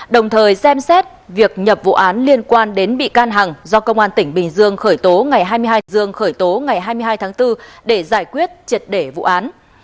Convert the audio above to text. đồng thời xem xét việc nhập vụ án liên quan đến bị can hằng do công an tp bình dương khởi tố ngày hai mươi hai tháng bốn để giải quyết triệt để vụ án